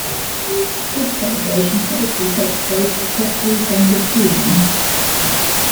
This celebration typically takes place the first weekend of June.